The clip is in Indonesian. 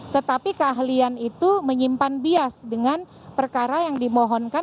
tetapi keahlian itu menyimpan bias dengan perkara yang dimohonkan